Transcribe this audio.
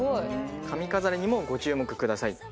髪飾りにもご注目ください。